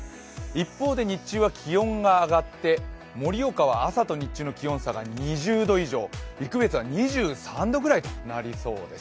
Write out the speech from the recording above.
一方で日中は気温が上がって盛岡は朝と日中の気温差が２０度前後、陸別は２３度くらいとなりそうです。